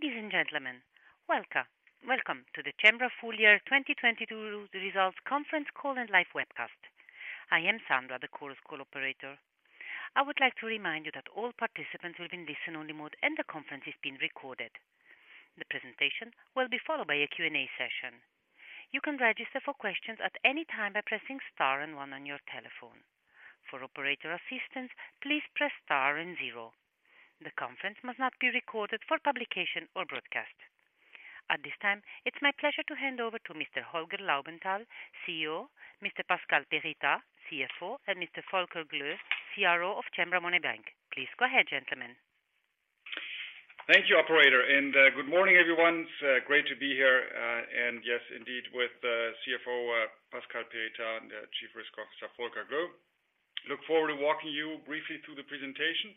Ladies and gentlemen, welcome to the Cembra full year 2022 results conference call and live webcast. I am Sandra, the call's call operator. I would like to remind you that all participants will be in listen only mode, and the conference is being recorded. The presentation will be followed by a Q&A session. You can register for questions at any time by pressing star and one on your telephone. For operator assistance, please press star and zero. The conference must not be recorded for publication or broadcast. At this time, it's my pleasure to hand over to Mr. Holger Laubenthal, CEO, Mr. Pascal Perritaz, CFO, and Mr. Volker Gloe, CRO of Cembra Money Bank. Please go ahead, gentlemen. Thank you, operator. Good morning, everyone. It's great to be here, and yes, indeed, with CFO Pascal Perritaz and Chief Risk Officer Volker Gloe. Look forward to walking you briefly through the presentation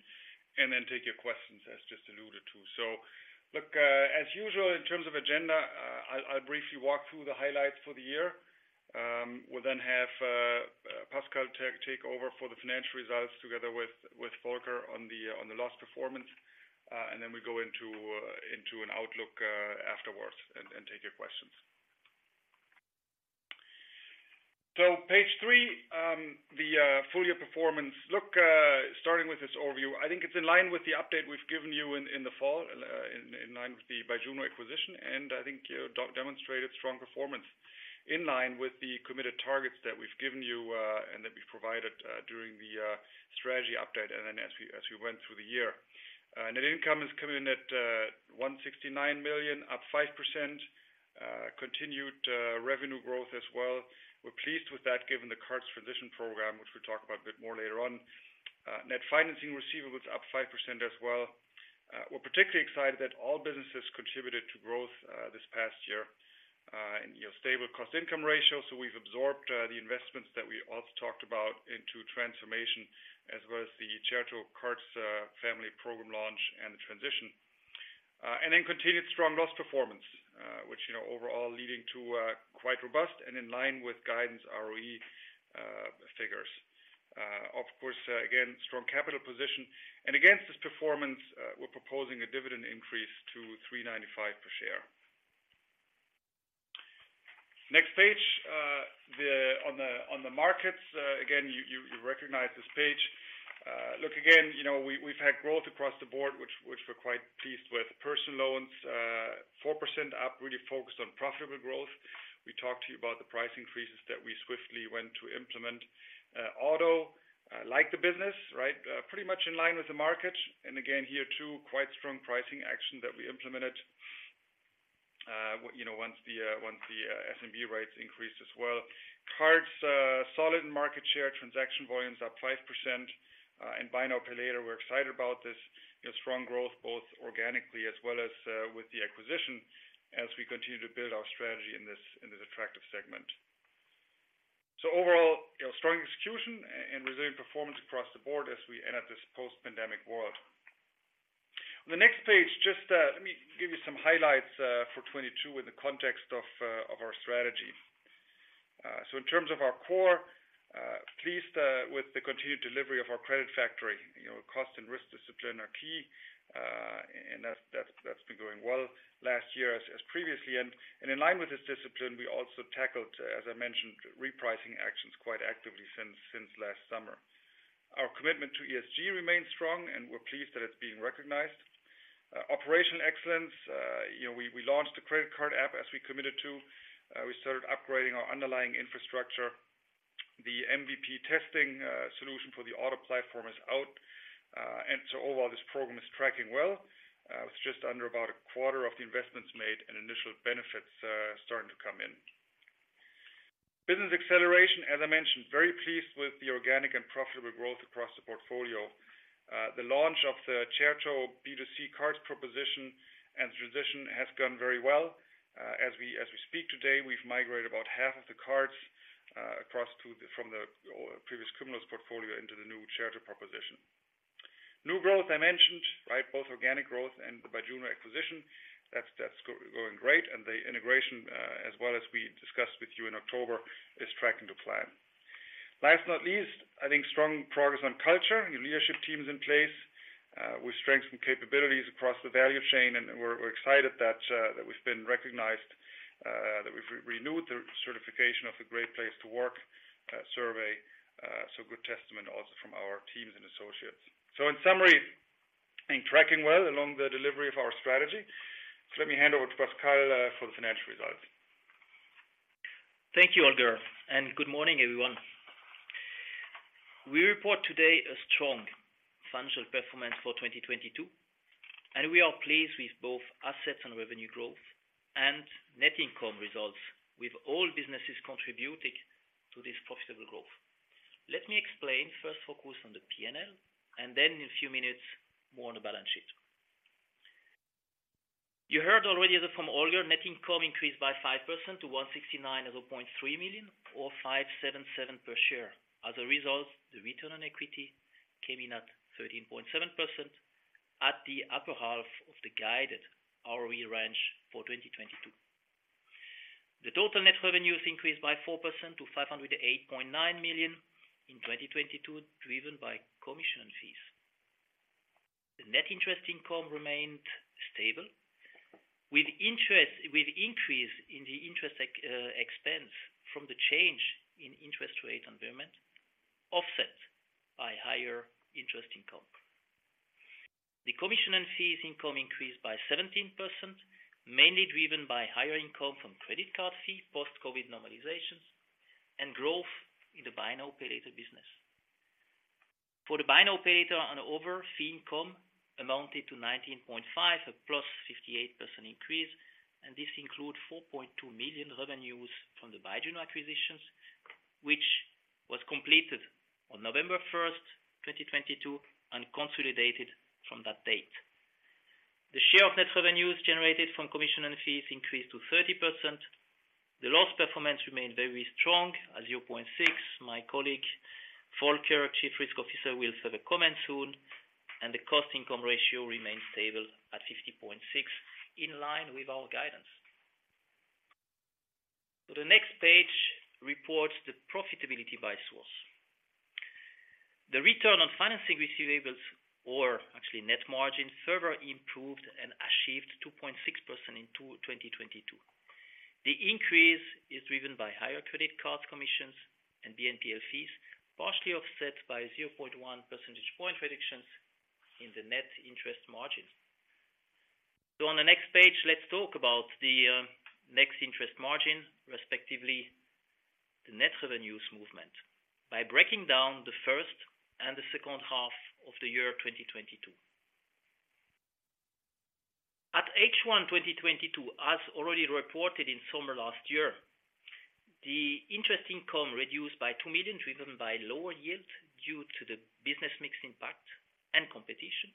and then take your questions, as just alluded to. Look, as usual, in terms of agenda, I'll briefly walk through the highlights for the year. We'll then have Pascal take over for the financial results together with Volker on the loss performance. Then we go into an outlook afterwards and take your questions. Page three, the full year performance. Look, starting with this overview, I think it's in line with the update we've given you in the fall, in line with the Byjuno acquisition. I think you demonstrated strong performance in line with the committed targets that we've given you and that we've provided during the strategy update and then as we went through the year. Net income is coming in at 169 million, up 5%. Continued revenue growth as well. We're pleased with that given the cards transition program, which we'll talk about a bit more later on. Net financing receivables up 5% as well. We're particularly excited that all businesses contributed to growth this past year. Your stable cost income ratio. We've absorbed the investments that we also talked about into transformation as well as the Certo! cards family program launch and the transition. And then continued strong loss performance, which, you know, overall leading to quite robust and in line with guidance ROE figures. Of course, again, strong capital position. And again, this performance, we're proposing a dividend increase to 3.95 per share. Next page, on the markets, again you recognize this page. Look again, you know, we've had growth across the board, which we're quite pleased with. Personal loans, 4% up, really focused on profitable growth. We talked to you about the price increases that we swiftly went to implement. Auto, like the business, right? Pretty much in line with the market. Again, here too, quite strong pricing action that we implemented, you know, once the SME rates increased as well. Cards, solid in market share. Transaction volumes up 5%. Buy now, pay later, we're excited about this, you know, strong growth both organically as well as with the acquisition as we continue to build our strategy in this attractive segment. Overall, you know, strong execution and resilient performance across the board as we enter this post-pandemic world. On the next page, just, let me give you some highlights for 2022 in the context of our strategy. In terms of our core, pleased with the continued delivery of our credit factory. You know, cost and risk discipline are key, and that's been going well last year as previously. In line with this discipline, we also tackled, as I mentioned, repricing actions quite actively since last summer. Our commitment to ESG remains strong, and we're pleased that it's being recognized. Operational excellence, you know, we launched a credit card app as we committed to. We started upgrading our underlying infrastructure. The MVP testing solution for the auto platform is out. Overall, this program is tracking well. With just under about a quarter of the investments made and initial benefits starting to come in. Business acceleration, as I mentioned, very pleased with the organic and profitable growth across the portfolio. The launch of the Certo! B2C cards proposition and transition has gone very well. As we, as we speak today, we've migrated about half of the cards from the previous Cumulus portfolio into the new Certo! proposition. New growth I mentioned, right? Both organic growth and the Byjuno acquisition. That's going great, and the integration as well as we discussed with you in October, is tracking to plan. Last but not least, I think strong progress on culture. New leadership team's in place. We strengthened capabilities across the value chain, and we're excited that we've been recognized that we've renewed the certification of the Great Place to Work survey. Good testament also from our teams and associates. In summary, I think tracking well along the delivery of our strategy. Let me hand over to Pascal for the financial results. Thank you, Holger. Good morning, everyone. We report today a strong financial performance for 2022, and we are pleased with both assets and revenue growth and net income results with all businesses contributing to this profitable growth. Let me explain. First, focus on the P&L and then in a few minutes more on the balance sheet. You heard already from Holger. Net income increased by 5% to 169.3 million or 5.77 per share. As a result, the return on equity came in at 13.7% at the upper half of the guided ROE range for 2022. The total net revenues increased by 4% to 508.9 million in 2022, driven by commission fees. The net interest income remained stable with interest, with increase in the interest expense from the change in interest rate environment offset by higher interest income. The commission and fees income increased by 17%, mainly driven by higher income from credit card fees, post-COVID normalizations, and growth in the buy now pay later business. For the buy now pay later on over fee income amounted to 19.5, a +58% increase, and this include 4.2 million revenues from the Byjuno acquisitions, which was completed on November 1st, 2022 and consolidated from that date. The share of net revenues generated from commission and fees increased to 30%. The loss performance remained very strong at 0.6. My colleague Volker, Chief Risk Officer, will further comment soon. The cost income ratio remains stable at 50.6 in line with our guidance. The next page reports the profitability by source. The return on financing receivables or actually net margin further improved and achieved 2.6% in 2022. The increase is driven by higher credit card commissions and BNPL fees, partially offset by 0.1 percentage point reductions in the net interest margin. On the next page, let's talk about the net interest margin, respectively, the net revenues movement by breaking down the first and the second half of the year 2022. At H1 2022, as already reported in summer last year, the interest income reduced by 2 million, driven by lower yields due to the business mix impact and competition.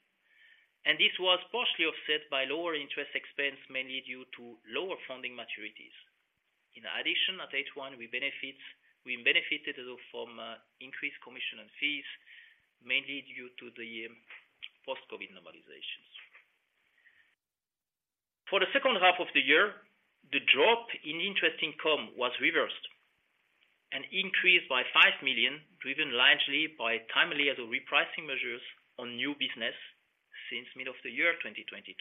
This was partially offset by lower interest expense, mainly due to lower funding maturities. In addition, at H1, we benefited as well from increased commission and fees, mainly due to the post-COVID normalizations. For the second half of the year, the drop in interest income was reversed and increased by 5 million, driven largely by timely as a repricing measures on new business since mid of the year 2022.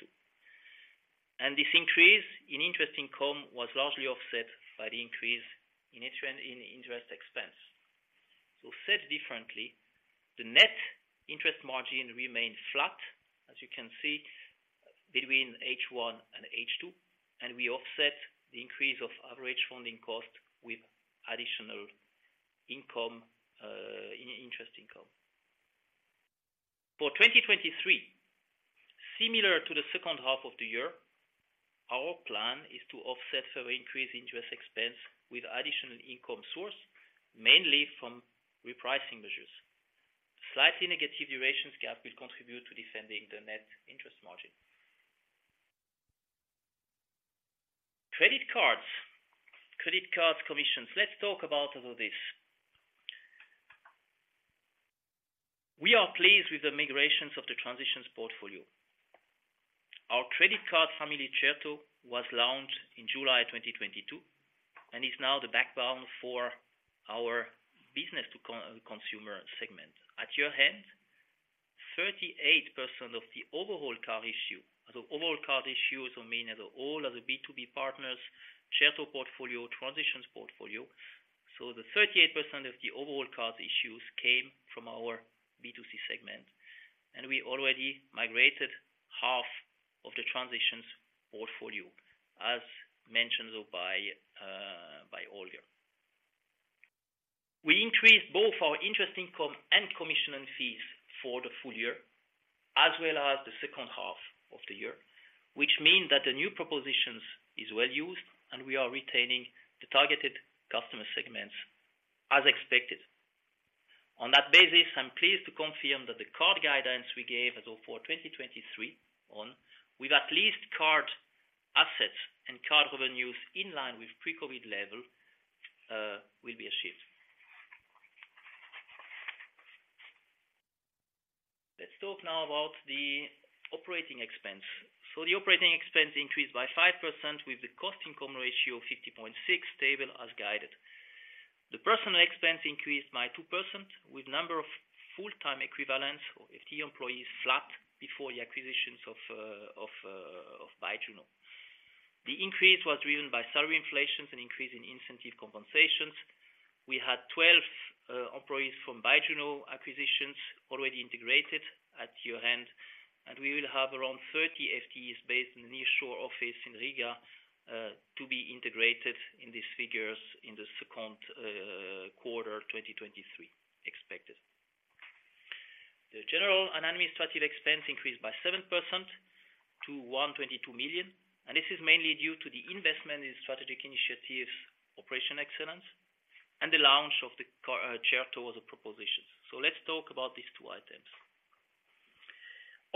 This increase in interest income was largely offset by the increase in interest expense. Said differently, the net interest margin remained flat, as you can see, between H1 and H2, and we offset the increase of average funding cost with additional income in interest income. For 2023, similar to the second half of the year, our plan is to offset further increase interest expense with additional income source, mainly from repricing measures. Slightly negative durations gap will contribute to defending the net interest margin. Credit cards. Credit card commissions. Let's talk about all this. We are pleased with the migrations of the transitions portfolio. Our credit card family, Certo!, was launched in July 2022 and is now the backbone for our business to consumer segment. At year-end, 38% of the overall card issue. As of overall card issues, I mean as of all of the B2B partners, Certo! portfolio, transitions portfolio. The 38% of the overall card issues came from our B2C segment, and we already migrated half of the transitions portfolio, as mentioned though by Holger. We increased both our interest income and commission and fees for the full year as well as the second half of the year, which mean that the new propositions is well used and we are retaining the targeted customer segments as expected. On that basis, I'm pleased to confirm that the card guidance we gave as of for 2023 on with at least card assets and card revenues in line with pre-COVID level, will be achieved. Let's talk now about the operating expense. The operating expense increased by 5% with the cost income ratio of 50.6, stable as guided. The personal expense increased by 2% with number of full-time equivalents or FTE employees flat before the acquisitions of Byjuno. The increase was driven by salary inflations and increase in incentive compensations. We had 12 employees from Byjuno acquisitions already integrated at year-end, and we will have around 30 FTEs based in the nearshore office in Riga to be integrated in these figures in the second quarter 2023, expected. The general and administrative expense increased by 7% to 122 million, this is mainly due to the investment in strategic initiatives, operation excellence, and the launch of the Certo! as a proposition. Let's talk about these two items.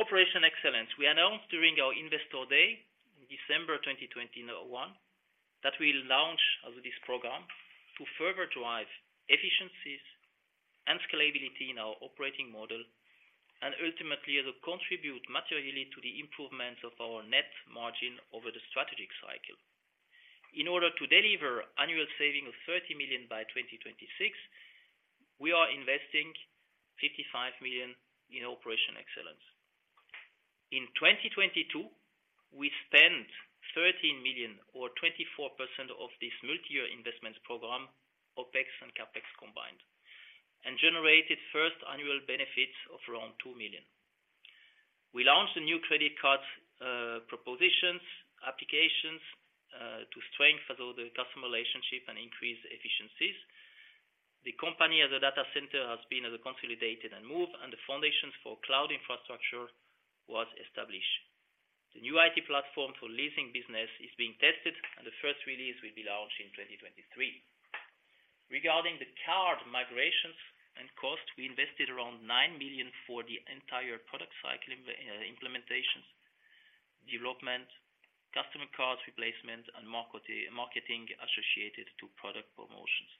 Operation excellence. We announced during our investor day in December 2021 that we'll launch as of this program to further drive efficiencies and scalability in our operating model, ultimately it'll contribute materially to the improvements of our net margin over the strategic cycle. In order to deliver annual saving of 30 million by 2026, we are investing 55 million in operation excellence. In 2022, we spent 13 million or 24% of this multi-year investment program, OpEx and CapEx combined, and generated first annual benefits of around 2 million. We launched the new credit card propositions, applications, to strengthen the customer relationship and increase efficiencies. The company as a data center has been consolidated and moved, the foundations for cloud infrastructure was established. The new IT platform for leasing business is being tested, the first release will be launched in 2023. Regarding the card migrations and cost, we invested around 9 million for the entire product cycle implementations, development, customer cards replacement, and marketing associated to product promotions.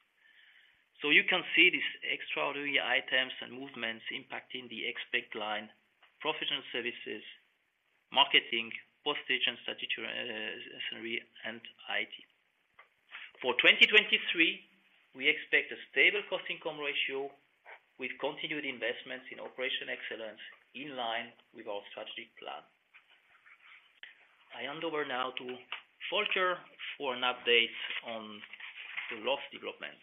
You can see these extraordinary items and movements impacting the expect line, professional services, marketing, postage, stationery, and IT. For 2023, we expect a stable cost-income ratio with continued investments in operation excellence in line with our strategic plan. I hand over now to Volker for an update on the loss development.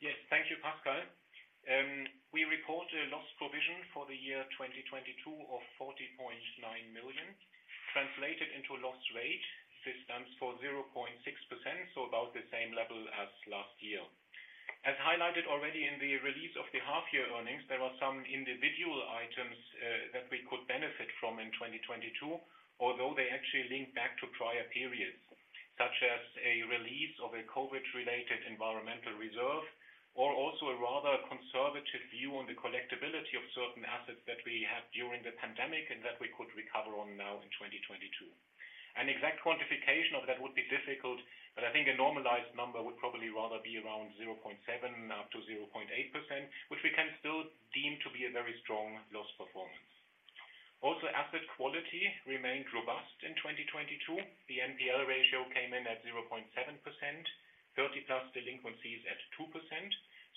Yes. Thank you, Pascal. We report a loss provision for the year 2022 of 40.9 million. Translated into loss rate, this stands for 0.6%, about the same level as last year. As highlighted already in the release of the half year earnings, there were some individual items that we could benefit from in 2022, although they actually link back to prior periods, such as a release of a COVID-related environmental reserve, or also a rather conservative view on the collectibility of certain assets that we had during the pandemic and that we could recover on now in 2022. An exact quantification of that would be difficult, I think a normalized number would probably rather be around 0.7%-0.8%, which we can still deem to be a very strong loss performance. Asset quality remained robust in 2022. The NPL ratio came in at 0.7%, 30+ delinquencies at 2%.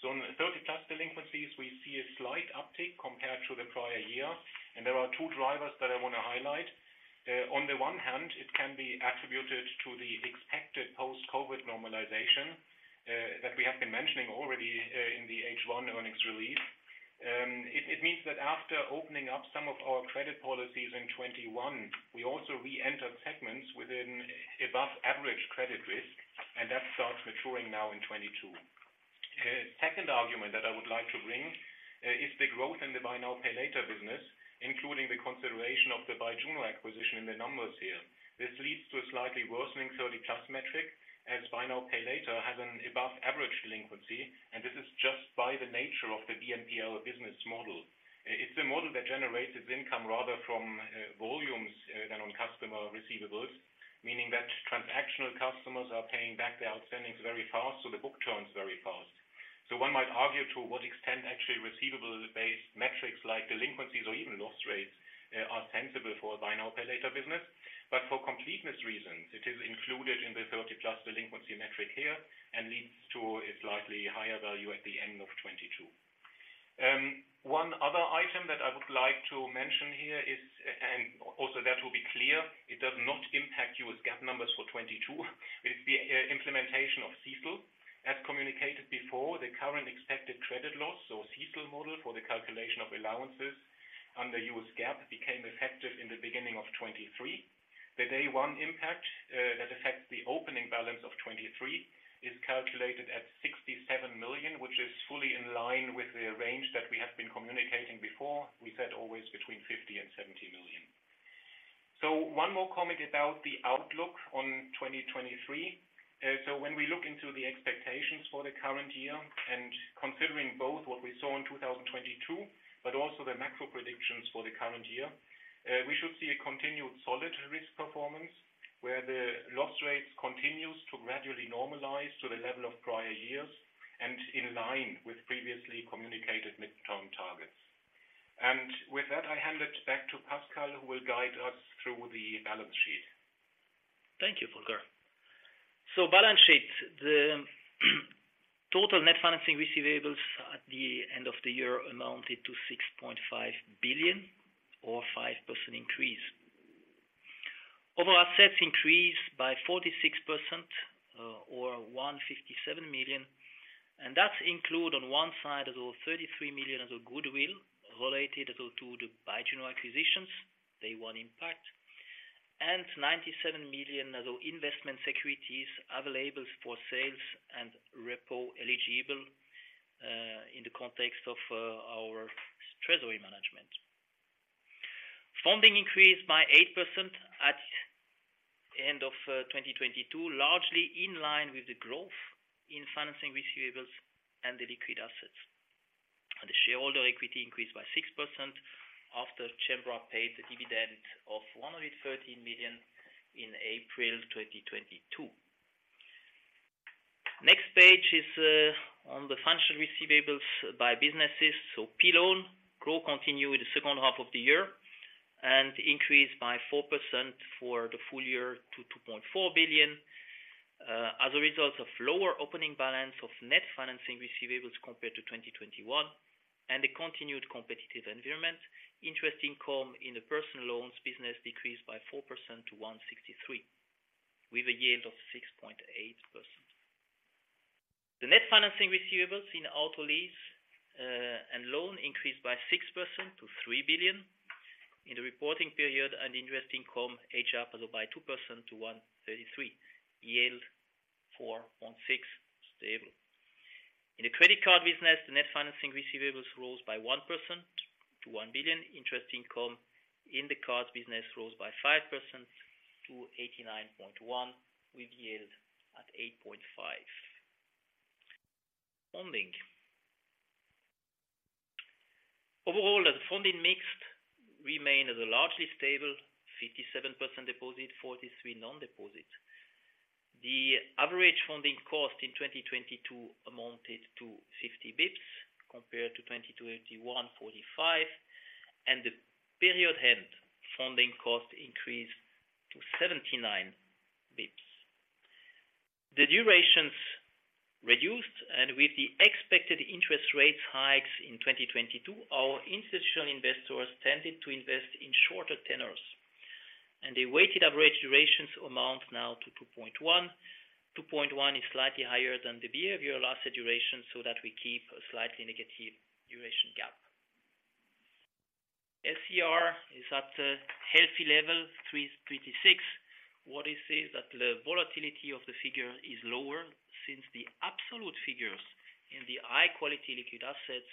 On the 30+ delinquencies, we see a slight uptick compared to the prior year, and there are two drivers that I wanna highlight. On the one hand, it can be attributed to the expected post-COVID normalization that we have been mentioning already in the H1 earnings release. It means that after opening up some of our credit policies in 2021, we also re-entered segments within above average credit risk, and that starts maturing now in 2022. Second argument that I would like to bring is the growth in the buy now, pay later business, including the consideration of the Byjuno acquisition in the numbers here. This leads to a slightly worsening 30+ metric as buy now, pay later has an above average delinquency. This is just by the nature of the BNPL business model. It's a model that generates its income rather from volumes than on customer receivables, meaning that transactional customers are paying back their outstandings very fast. The book turns very fast. One might argue to what extent actually receivable-based metrics like delinquencies or even loss rates are sensible for a buy now, pay later business. For completeness reasons, it is included in the 30+ delinquency metric here and leads to a slightly higher value at the end of 2022. One other item that I would like to mention here is, and also that will be clear, it does not impact US GAAP numbers for 2022. It's the implementation of CECL. As communicated before, the current expected credit loss or CECL model for the calculation of allowances under U.S. GAAP became effective in the beginning of 2023. The day one impact that affects the opening balance of 2023 is calculated at 67 million, which is fully in line with the range that we have been communicating before. We said always between 50 million and 70 million. One more comment about the outlook on 2023. When we look into the expectations for the current year and considering both what we saw in 2022, but also the macro predictions for the current year, we should see a continued solid risk performance, where the loss rates continues to gradually normalize to the level of prior years and in line with previously communicated midterm targets. With that, I hand it back to Pascal, who will guide us through the balance sheet. Thank you, Volker. Balance sheet. The total net financing receivables at the end of the year amounted to 6.5 billion or 5% increase. Overall assets increased by 46%, or 157 million, and that include on one side as well 33 million as a goodwill related to the Byjuno acquisitions, day one impact, and 97 million as investment securities available for sales and repo eligible, in the context of our treasury management. Funding increased by 8% at end of 2022, largely in line with the growth in financing receivables and the liquid assets. Equity increased by 6% after Cembra paid the dividend of 113 million in April 2022. Next page is on the financial receivables by businesses. PLoan growth continued the second half of the year and increased by 4% for the full year to 2.4 billion. As a result of lower opening balance of net financing receivables compared to 2021 and a continued competitive environment. Interest income in the personal loans business decreased by 4% to 163 million, with a yield of 6.8%. The net financing receivables in auto lease and loan increased by 6% to 3 billion in the reporting period, and interest income age up by 2% to 133 million. Yield 4.6%, stable. In the credit card business, the net financing receivables rose by 1% to 1 billion. Interest income in the card business rose by 5% to 89.1 million, with yield at 8.5%. Funding. Overall, the funding mix remained largely stable, 57% deposit, 43% non-deposit. The average funding cost in 2022 amounted to 50 basis points, compared to 2021, 45 basis points, and the period end funding cost increased to 79 basis points. The durations reduced, and with the expected interest rates hikes in 2022, our institutional investors tended to invest in shorter tenors, and the weighted average durations amount now to 2.1. 2.1 is slightly higher than the behavior last duration, so that we keep a slightly negative duration gap. SCR is at a healthy level, 326. What is it that the volatility of the figure is lower since the absolute figures in the high-quality liquid assets,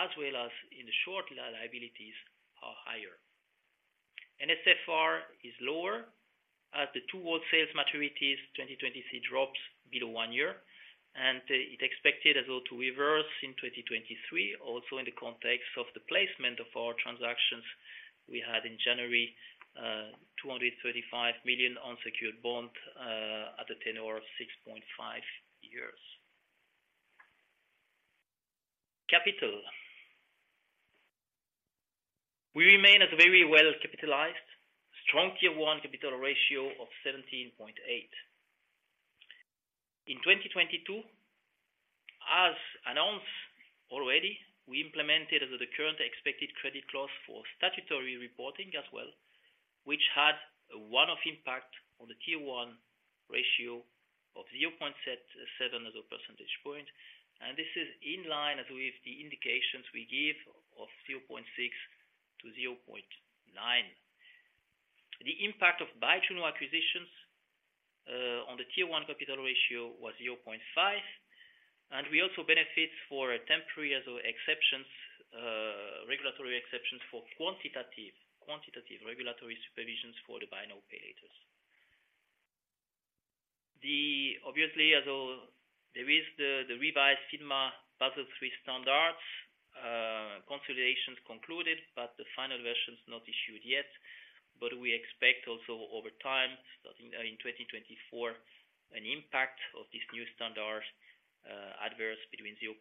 as well as in the short liabilities are higher. NSFR is lower as the two year sales maturities, 2022 drops below one year, and it expected as well to reverse in 2023.In the context of the placement of our transactions we had in January, 235 million unsecured bond at a tenor of 6.5 years. Capital. We remain as very well capitalized, strong Tier 1 capital ratio of 17.8%. In 2022, as announced already, we implemented the current expected credit loss for statutory reporting as well, which had a one-off impact on the Tier 1 ratio of 0.7 percentage point. This is in line as with the indications we give of 0.6%-0.9%. The impact of Byjuno acquisitions on the Tier 1 capital ratio was 0.5%. We also benefit for temporary as well exceptions, regulatory exceptions for quantitative regulatory supervisions for the binary operators. The obviously, the revised Basel III standards, consolidations concluded, but the final version is not issued yet. We expect also over time, starting in 2024, an impact of these new standards, adverse between 0.5%-1%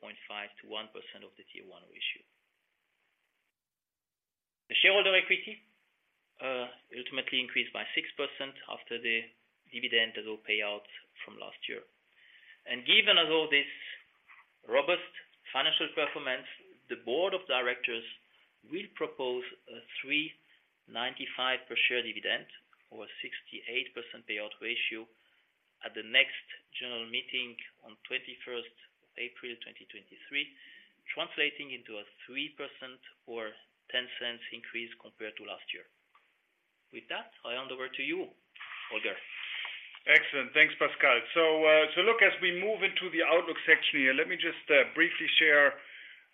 of the Tier 1 issue. Shareholder equity ultimately increased by 6% after the dividend as well payout from last year. Given this robust financial performance, the board of directors will propose a 3.95 per share dividend or 68% payout ratio at the next general meeting on April 21st, 2023, translating into a 3% or 0.10 increase compared to last year. With that, I hand over to you, Holger. Excellent. Thanks, Pascal. Look, as we move into the outlook section here, let me just briefly share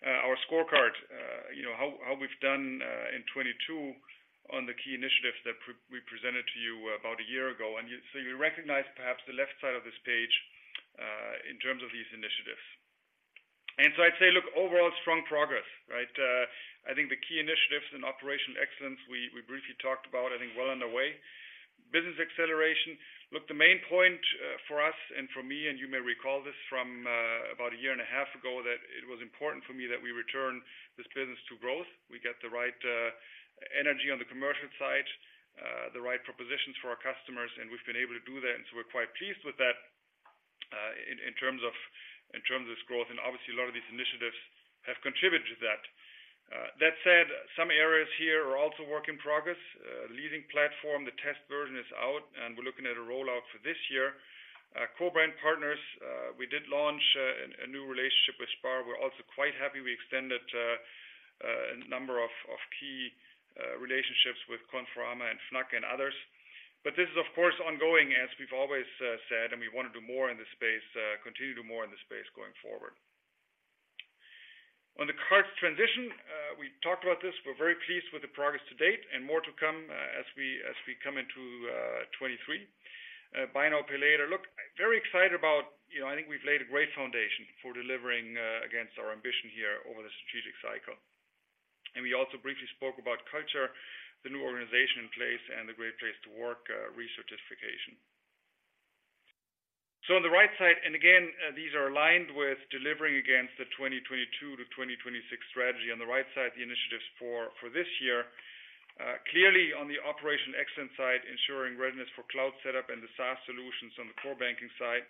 our scorecard. You know, how we've done in 2022 on the key initiatives that we presented to you about a year ago. You recognize perhaps the left side of this page in terms of these initiatives. I'd say, look, overall strong progress, right? I think the key initiatives in operational excellence, we briefly talked about, I think, well underway. Business acceleration. Look, the main point for us and for me, and you may recall this from about a year and a half ago, that it was important for me that we return this business to growth. We get the right energy on the commercial side, the right propositions for our customers, and we've been able to do that. We're quite pleased with that in terms of its growth. Obviously, a lot of these initiatives have contributed to that. That said, some areas here are also work in progress. Leading platform, the test version is out, and we're looking at a rollout for this year. Co-brand partners, we did launch a new relationship with Spar. We're also quite happy we extended a number of key relationships with Conforama and Fnac and others. This is, of course, ongoing, as we've always said, and we wanna do more in this space, continue to do more in this space going forward. On the cards transition. We talked about this. We're very pleased with the progress to date and more to come as we come into 2023. Buy Now, Pay Later. Look, very excited. You know, I think we've laid a great foundation for delivering against our ambition here over the strategic cycle. We also briefly spoke about culture, the new organization in place, and the Great Place to Work re-certification. On the right side, and again, these are aligned with delivering against the 2022-2026 strategy. On the right side, the initiatives for this year. Clearly on the operational excellence side, ensuring readiness for cloud setup and the SaaS solutions on the core banking side.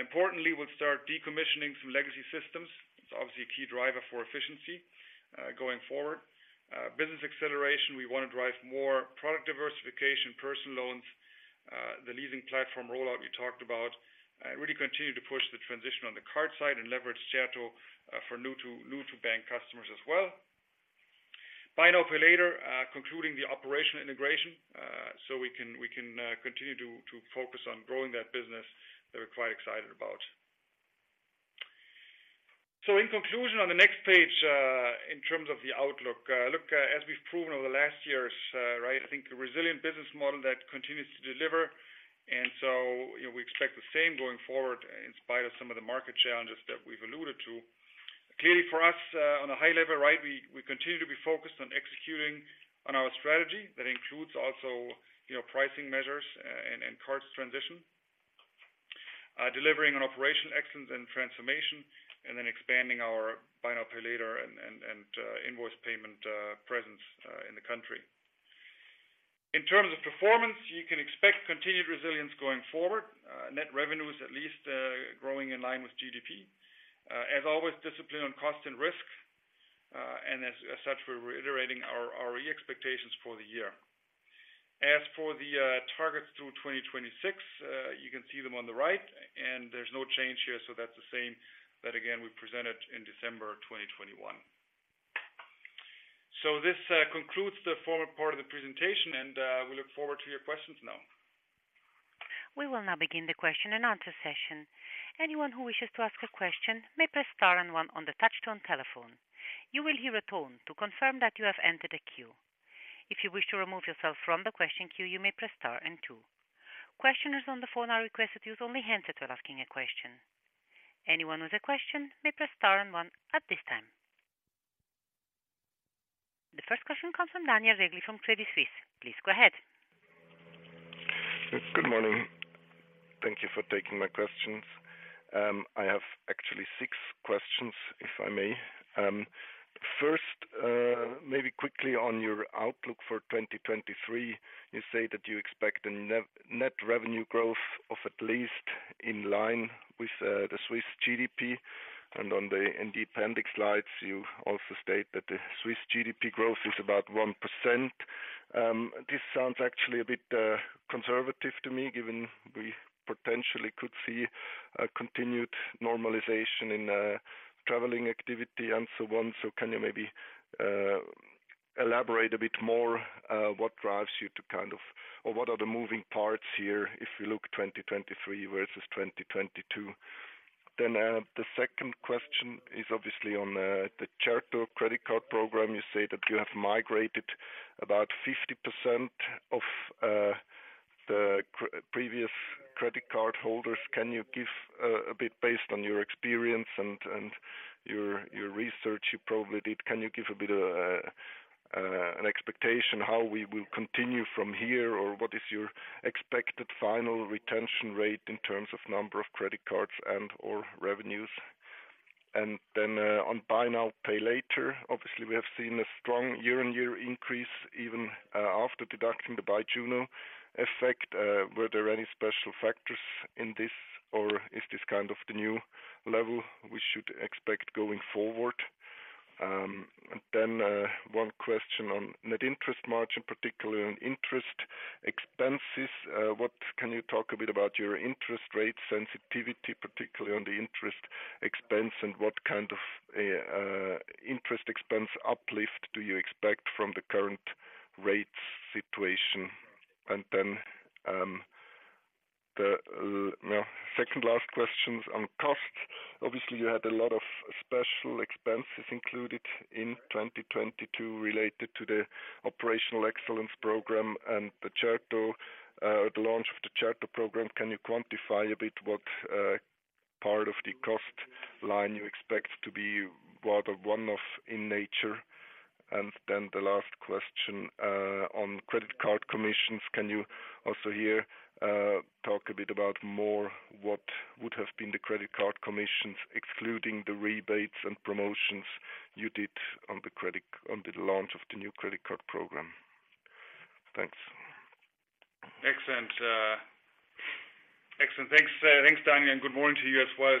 Importantly, we'll start decommissioning some legacy systems. It's obviously a key driver for efficiency going forward. Business acceleration, we wanna drive more product diversification, personal loans, the leasing platform rollout we talked about, really continue to push the transition on the card side and leverage Certo! for new to bank customers as well. Buy now, pay later, concluding the operational integration, so we can continue to focus on growing that business that we're quite excited about. In conclusion, on the next page, in terms of the outlook. Look, as we've proven over the last years, right, I think a resilient business model that continues to deliver. You know, we expect the same going forward in spite of some of the market challenges that we've alluded to. Clearly for us, on a high level, right, we continue to be focused on executing on our strategy. That includes also, you know, pricing measures and cards transition. Delivering on operational excellence and transformation, and then expanding our buy now, pay later and invoice payment presence in the country. In terms of performance, you can expect continued resilience going forward. Net revenues at least growing in line with GDP. As always discipline on cost and risk, as such, we're reiterating our expectations for the year. As for the targets through 2026, you can see them on the right, there's no change here, so that's the same that again, we presented in December 2021. This concludes the forward part of the presentation, we look forward to your questions now. We will now begin the question and answer session. Anyone who wishes to ask a question may press star and one on the touchtone telephone. You will hear a tone to confirm that you have entered a queue. If you wish to remove yourself from the question queue, you may press star and two. Questioners on the phone are requested to use only hands when asking a question. Anyone with a question may press star and one at this time. The first question comes from Daniel Regli from Credit Suisse. Please go ahead. Good morning. Thank you for taking my questions. I have actually six questions, if I may. First, maybe quickly on your outlook for 2023, you say that you expect a net revenue growth of at least in line with the Swiss GDP. In the appendix slides, you also state that the Swiss GDP growth is about 1%. This sounds actually a bit conservative to me, given we potentially could see a continued normalization in traveling activity and so on. Can you maybe elaborate a bit more what drives you to kind of or what are the moving parts here if you look 2023 versus 2022? The second question is obviously on the Certo! credit card program. You say that you have migrated about 50% of the previous credit card holders. Can you give a bit based on your experience and your research you probably did, can you give a bit of an expectation how we will continue from here? What is your expected final retention rate in terms of number of credit cards and or revenues? On buy now, pay later, obviously, we have seen a strong year-on-year increase even after deducting the Byjuno effect. Were there any special factors in this, or is this kind of the new level we should expect going forward? One question on net interest margin, particularly on interest expenses. What can you talk a bit about your interest rate sensitivity, particularly on the interest expense, and what kind of interest expense uplift do you expect from the current rate situation? The second last question is on cost. Obviously, you had a lot of special expenses included in 2022 related to the operational excellence program and the Certo!, the launch of the Certo! program. Can you quantify a bit what part of the cost line you expect to be rather one-off in nature? The last question on credit card commissions, can you also here talk a bit about more what would have been the credit card commissions excluding the rebates and promotions you did on the launch of the new credit card program? Thanks. Excellent. Excellent. Thanks, thanks, Daniel, and good morning to you as well.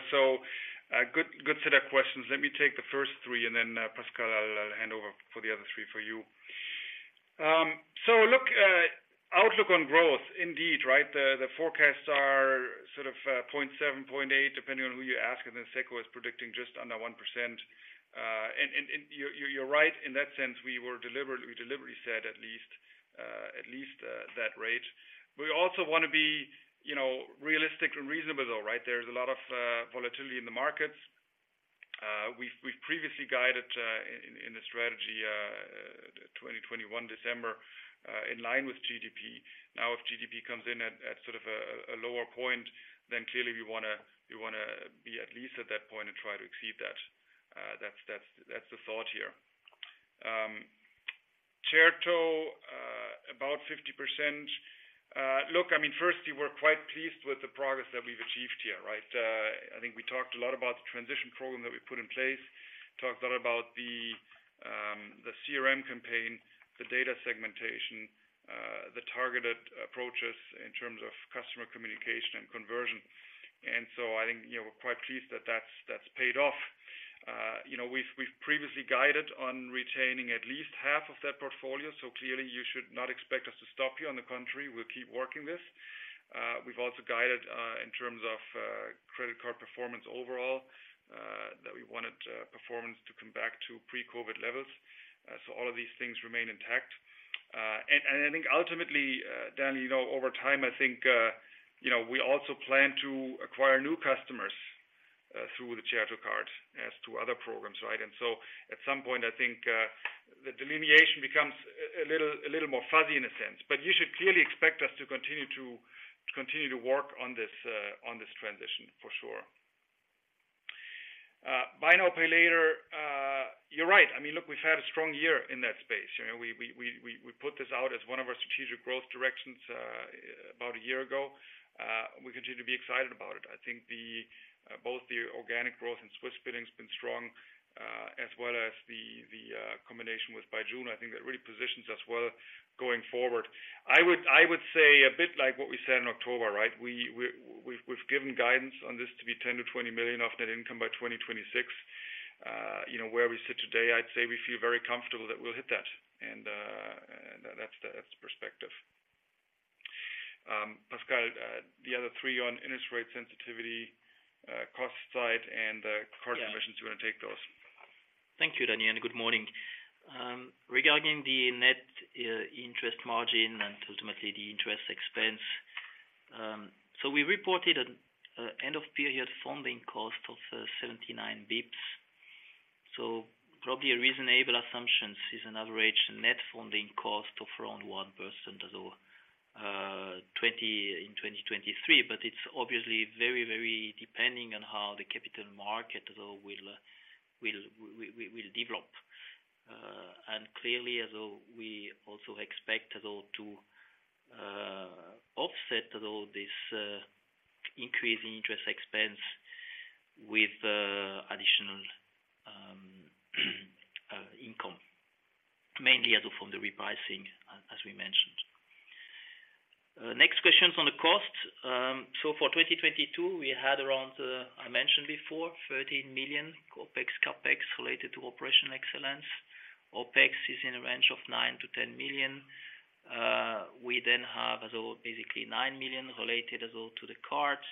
Good, good set of questions. Let me take the first three, then Pascal, I'll hand over for the other three for you. Look, outlook on growth, indeed, right? The, the forecasts are sort of, 0.7%, 0.8%, depending on who you ask, then SECO is predicting just under 1%. You're, you're right. In that sense, we deliberately said at least, at least, that rate. We also wanna be, you know, realistic and reasonable, though, right? There's a lot of volatility in the markets. We've previously guided in the strategy 2021 December, in line with GDP. If GDP comes in at a lower point, then clearly we wanna be at least at that point and try to exceed that. That's the thought here. Certo, about 50%. Look, I mean, firstly, we're quite pleased with the progress that we've achieved here, right? I think we talked a lot about the transition program that we put in place. Talked a lot about the CRM campaign, the data segmentation, the targeted approaches in terms of customer communication and conversion. I think, you know, we're quite pleased that that's paid off. You know, we've previously guided on retaining at least half of that portfolio, clearly you should not expect us to stop here. On the contrary, we'll keep working this. We've also guided in terms of credit card performance overall, that we wanted performance to come back to pre-COVID levels. All of these things remain intact. And I think ultimately, Daniel, you know, over time, I think, you know, we also plan to acquire new customers through the Certo! card as to other programs, right? At some point, I think, the delineation becomes a little, a little more fuzzy in a sense. You should clearly expect us to continue to work on this on this transition for sure. Buy now, pay later. You're right. I mean, look, we've had a strong year in that space. You know, we put this out as one of our strategic growth directions about a year ago. We continue to be excited about it. I think both the organic growth and Swissbilling's been strong, as well as the combination with Byjuno. I think that really positions us well going forward. I would say a bit like what we said in October, right? We've given guidance on this to be 10 million-20 million of net income by 2026. You know, where we sit today, I'd say we feel very comfortable that we'll hit that. That's the perspective. Pascal, the other three on interest rate sensitivity, cost side and card commissions. Do you wanna take those? Thank you, Daniel. Good morning. Regarding the net interest margin and ultimately the interest expense. We reported an end of period funding cost of 79 basis points. Probably a reasonable assumption is an average net funding cost of around 1% as of in 2023. It's obviously very depending on how the capital market as a whole will develop. Clearly, we also expect as though to offset as though this increase in interest expense with additional income, mainly as of from the repricing as we mentioned. Next question is on the cost. For 2022, we had around I mentioned before, 13 million OpEx, CapEx related to operational excellence. OpEx is in a range of 9 million-10 million. We then have as though basically 9 million related as though to the cards.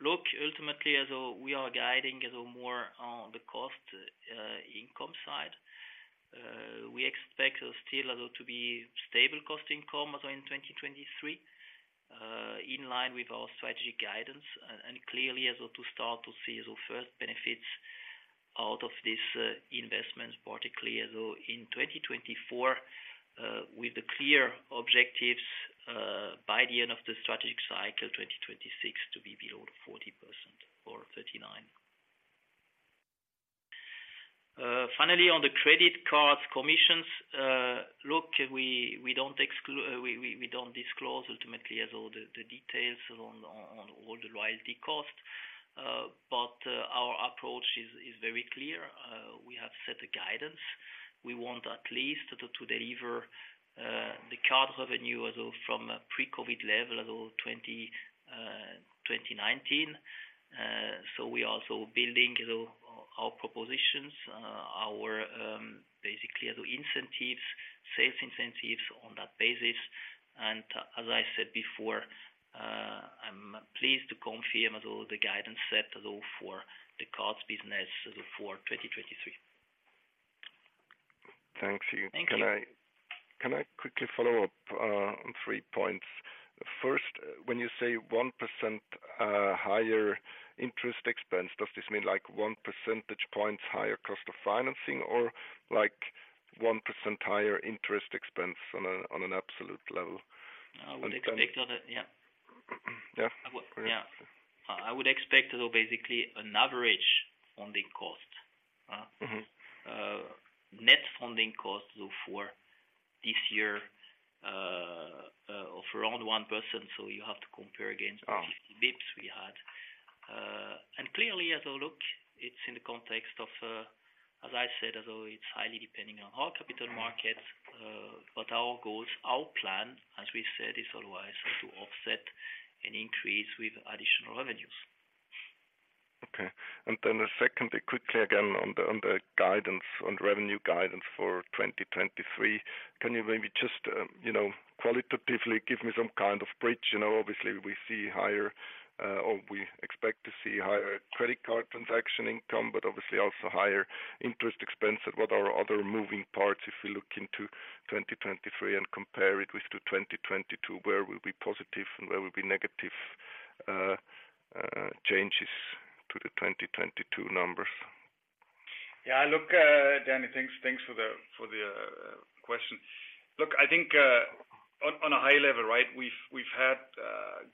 Look, ultimately as though we are guiding as though more on the cost income side. We expect as still as though to be stable cost income as though in 2023 in line with our strategy guidance. Clearly as though to start to see as though first benefits out of these investments, particularly as though in 2024 with the clear objectives by the end of the strategic cycle, 2026 to be below 40% or 39%. Finally, on the credit card commissions. Look, we don't disclose ultimately as though the details on all the loyalty costs. Our approach is very clear. We have set a guidance. We want at least to deliver the card revenue as though from a pre-COVID level as though 2019. We are also building as though our propositions, our basically as though incentives, sales incentives on that basis. As I said before, I'm pleased to confirm as though the guidance set as though for the cards business as of for 2023. Thanks. Thank you. Can I quickly follow up, on three points? First, when you say 1%, higher interest expense, does this mean like 1 percentage points higher cost of financing or like 1% higher interest expense on an absolute level? I would. And can- Yeah. Yeah. Yeah. I would expect as though basically an average funding cost. Mm-hmm. Net funding cost so for this year, of around 1%, so you have to compare against. The 50 bps we had. Clearly as a look, it's in the context of, as I said, as though it's highly depending on our capital markets. Our goals, our plan, as we said, is otherwise to offset an increase with additional revenues. Okay. Secondly, quickly, again, on the guidance, on the revenue guidance for 2023, can you maybe just, you know, qualitatively give me some kind of bridge? You know, obviously we see higher, or we expect to see higher credit card transaction income, obviously also higher interest expense. What are other moving parts if we look into 2023 and compare it with the 2022? Where we'll be positive and where we'll be negative changes to the 2022 numbers? Yeah, look, Danny, thanks for the question. Look, I think, on a high level, right? We've had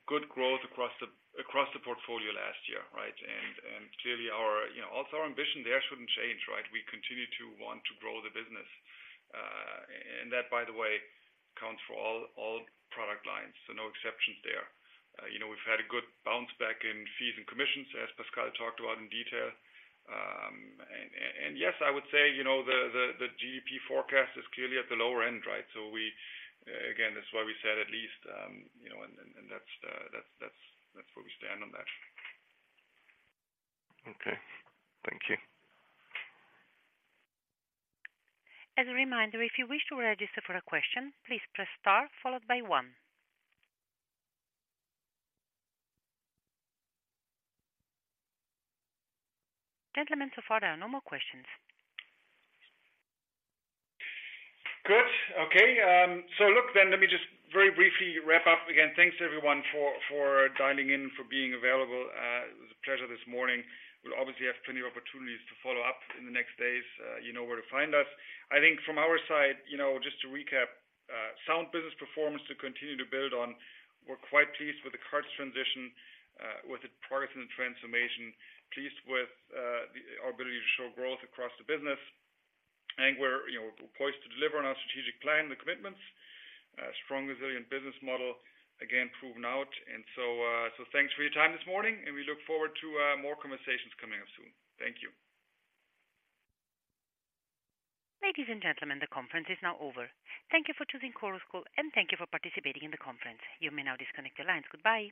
good growth across the portfolio last year, right? Clearly our, you know, also our ambition there shouldn't change, right? We continue to want to grow the business. That, by the way, counts for all product lines. No exceptions there. You know, we've had a good bounce back in fees and commissions, as Pascal talked about in detail. And yes, I would say, you know, the GDP forecast is clearly at the lower end, right? Again, that's why we said at least, you know, and that's the, that's where we stand on that. Okay. Thank you. As a reminder, if you wish to register for a question, please press star followed by one. Gentlemen, so far there are no more questions. Good. Okay. Look, then let me just very briefly wrap up again. Thanks everyone for dialing in, for being available. It was a pleasure this morning. We'll obviously have plenty of opportunities to follow up in the next days. You know where to find us. I think from our side, you know, just to recap, sound business performance to continue to build on. We're quite pleased with the cards transition, with the progress and transformation. Pleased with, the ability to show growth across the business. We're, you know, poised to deliver on our strategic plan, the commitments. Strong, resilient business model, again, proven out. So, thanks for your time this morning, and we look forward to, more conversations coming up soon. Thank you. Ladies and gentlemen, the conference is now over. Thank you for choosing Chorus Call, and thank you for participating in the conference. You may now disconnect your lines. Goodbye.